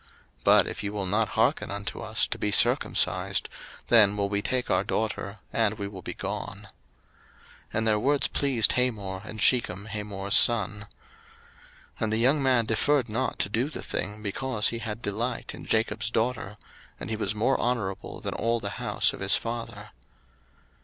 01:034:017 But if ye will not hearken unto us, to be circumcised; then will we take our daughter, and we will be gone. 01:034:018 And their words pleased Hamor, and Shechem Hamor's son. 01:034:019 And the young man deferred not to do the thing, because he had delight in Jacob's daughter: and he was more honourable than all the house of his father.